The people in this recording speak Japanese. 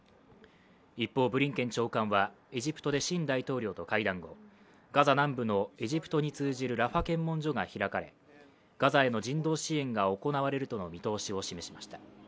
一方、ブリンケン長官はエジプトでシシ大統領と会談後ガザ南部のエジプトに通じるラファ検問所が再び開かれガザへの人道支援が行われるとの見通しを示しました。